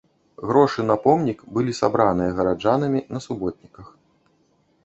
Грошы на помнік былі сабраныя гараджанамі на суботніках.